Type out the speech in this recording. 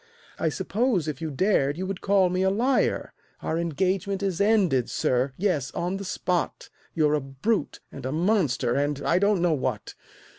"I suppose, if you dared, you would call me a liar. Our engagement is ended, sir yes, on the spot; You're a brute, and a monster, and I don't know what."